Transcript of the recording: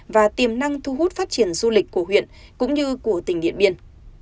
và tiềm năng thu hút phát triển du lịch của huyện cũng như của tỉnh điện biên